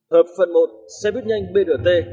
hợp phần một xe buýt nhanh brt